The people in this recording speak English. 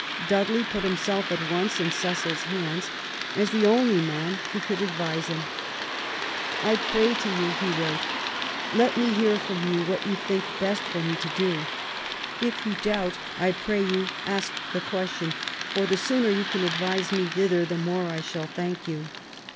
Dudley put himself at once in Cecil's hands, as the only man who could advise him. I pray you," he wrote, let me hear from you what you think best for me to dp. If you doubt, I pray you ask the question, for the sooner you can advise me thither the more I shall thank you.